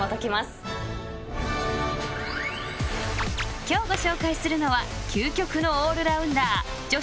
［今日ご紹介するのは究極のオールラウンダー女子日本代表］